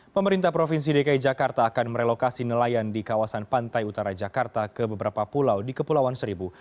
pemerintah provinsi dki jakarta akan merelokasi nelayan di kawasan pantai utara jakarta ke beberapa pulau di kepulauan seribu